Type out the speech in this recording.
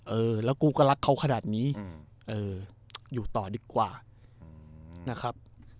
เออแล้วกูก็รักเขาขนาดนี้เอออยู่ต่อดีกว่านะครับ